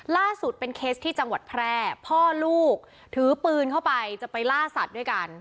ล่าสุดเป็นเคสที่จังหวัดแพร่พ่อลูกถือปืนเข้าไปจะไปล่าสัตว์ด้วยกัน